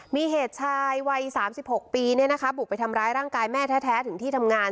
มีเหตุชายวัย๓๖ปีบุกไปทำร้ายร่างกายแม่แท้ถึงที่ทำงาน